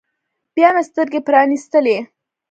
بيا مې سترګې پرانيستلې.